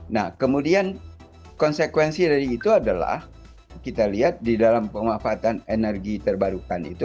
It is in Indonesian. nah kemudian konsekuensi dari itu adalah kita lihat di dalam pemanfaatan energi terbarukan itu